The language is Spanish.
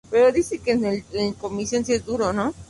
Se comercializa fresco, salado y vendido como cebo.